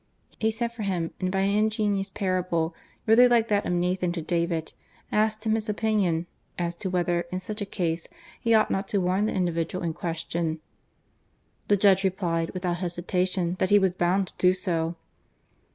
He sent for faim, and by an ing«uoas parable, rather like that of Nathan to I^vid, asked him his opinitHi as to «4iether, in snch a case, he onght not to warn the individual in question? The judge replied, withoot hesitation, that he was bound to do so.